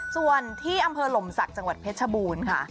ส่วนที่อำเภอหลมศักดิ์จังหวัดเพชรชบูรณ์ค่ะ